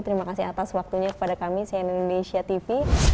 terima kasih atas waktunya kepada kami sian indonesia tv